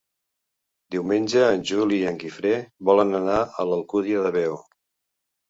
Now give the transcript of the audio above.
Diumenge en Juli i en Guifré volen anar a l'Alcúdia de Veo.